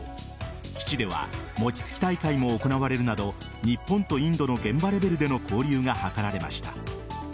基地では餅つき大会も行われるなど日本とインドの現場レベルでの交流が図られました。